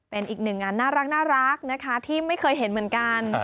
เป็นอีกหนึ่งงานน่ารักนะคะที่ไม่เคยเห็นเหมือนกัน